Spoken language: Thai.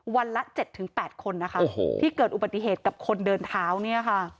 วันละ๗๘คนนะคะที่เกิดอุบัติเหตุกับคนเดินเท้าเนี่ยค่ะ